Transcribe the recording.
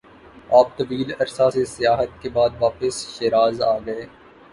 آپ طویل عرصہ سے سیاحت کے بعد واپس شیراز آگئے-